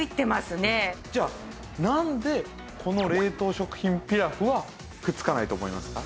じゃあなんでこの冷凍食品ピラフはくっつかないと思いますか？